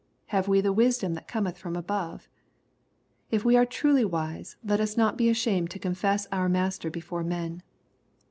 6 we the wisdom that cometh &od i above ? If we are truly wise, let us not be ashamed to confess our Master before men.